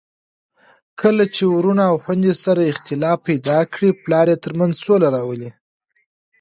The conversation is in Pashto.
کله چي وروڼه او خويندې سره اختلاف پیدا کړي، پلار یې ترمنځ سوله راولي.